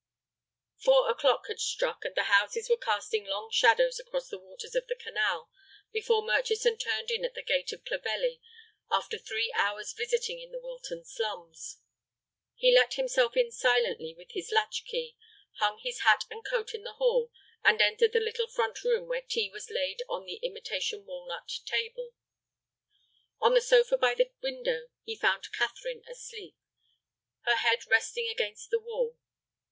Four o'clock had struck, and the houses were casting long shadows across the waters of the canal, before Murchison turned in at the gate of Clovelly after three hours visiting in the Wilton slums. He let himself in silently with his latch key, hung his hat and coat in the hall, and entered the little front room where tea was laid on the imitation walnut table. On the sofa by the window he found Catherine asleep, her head resting against the wall.